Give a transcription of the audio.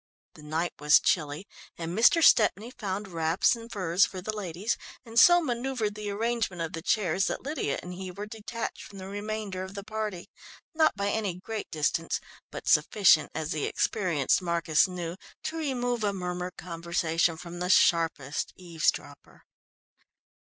The night was chilly and Mr. Stepney found wraps and furs for the ladies, and so manoeuvred the arrangement of the chairs that Lydia and he were detached from the remainder of the party, not by any great distance, but sufficient, as the experienced Marcus knew, to remove a murmured conversation from the sharpest eavesdropper.